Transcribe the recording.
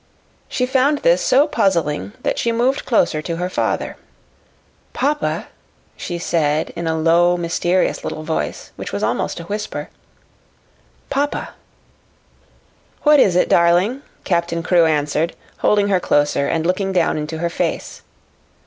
She found this so puzzling that she moved closer to her father. "Papa," she said in a low, mysterious little voice which was almost a whisper, "papa." "What is it, darling?" Captain Crewe answered, holding her closer and looking down into her face.